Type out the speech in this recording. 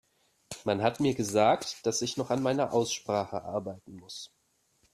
Man hat mir gesagt, dass ich noch an meiner Aussprache arbeiten muss.